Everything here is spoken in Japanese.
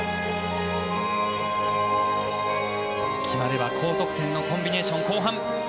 決まれば高得点のコンビネーション後半。